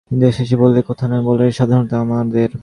ইন্দ্রনাথ হেসে বললে, কথা না-বলারই সাধনা আমাদের।